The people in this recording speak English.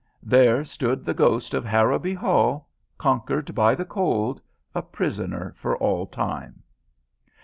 There stood the ghost of Harrowby Hall, conquered by the cold, a prisoner for all time.